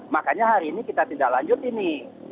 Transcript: makanya hari ini kita tidak lanjut ini